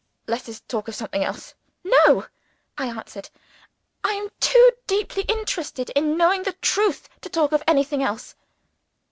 "Let us talk of something else." "No!" I answered. "I am too deeply interested in knowing the truth to talk of anything else."